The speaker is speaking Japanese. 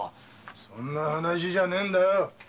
そんな話じゃねえんだよ。